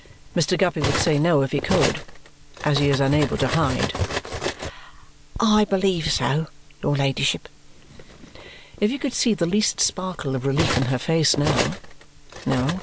Mr. Guppy would say no if he could as he is unable to hide. "I believe so, your ladyship." If he could see the least sparkle of relief in her face now?